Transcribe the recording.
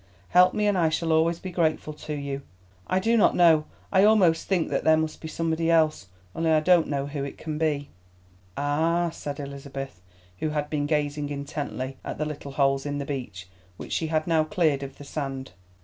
Help me and I shall always be grateful to you. I do not know—I almost think that there must be somebody else, only I don't know who it can be." "Ah!" said Elizabeth, who had been gazing intently at the little holes in the beach which she had now cleared of the sand.